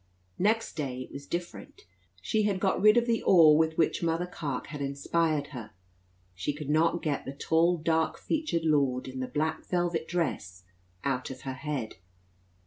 Next day it was different. She had got rid of the awe with which Mother Carke had inspired her. She could not get the tall dark featured lord, in the black velvet dress, out of her head.